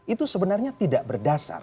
itu sebenarnya tidak berdasar